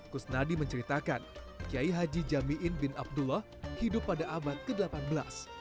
kusnadi menceritakan qiyai haji jami'in bin abdullah hidup pada abad ke delapan belas